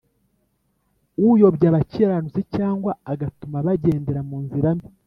uyobya abakiranutsi cyangwa agatuma bagendera mu nzira mbi